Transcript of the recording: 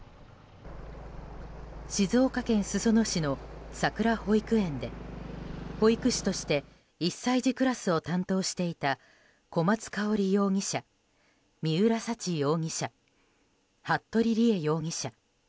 静岡県裾野市のさくら保育園で保育士として１歳児クラスを担当していた小松香織容疑者三浦沙知容疑者服部理江容疑者。